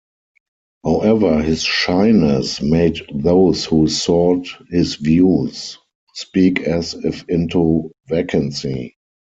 However his shyness made those who sought his views... speak as if into vacancy.